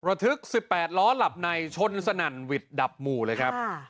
ทึก๑๘ล้อหลับในชนสนั่นหวิดดับหมู่เลยครับ